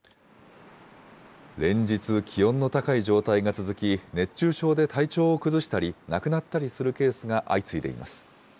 連日、気温の高い状態が続き、熱中症で体調を崩したり、亡くなったりするケースが相次いでいます。